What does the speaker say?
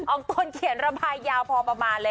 ตนเขียนระบายยาวพอประมาณเลย